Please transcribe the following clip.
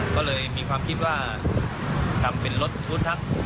ก็เลยมีความคิดว่าทำเป็นรถฟู้ดทัก